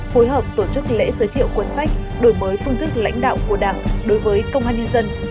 phối hợp tổ chức lễ giới thiệu cuốn sách đổi mới phương thức lãnh đạo của đảng đối với công an nhân dân